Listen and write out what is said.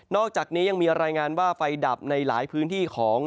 อกจากนี้ยังมีรายงานว่าไฟดับในหลายพื้นที่ของ